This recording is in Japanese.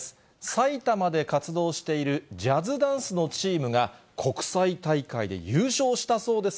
埼玉で活動しているジャズダンスのチームが、国際大会で優勝したそうです。